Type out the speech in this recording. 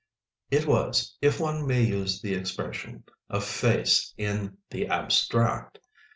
It was, if one may use the expression, a face _in the abstract.